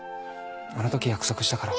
あのとき約束したから。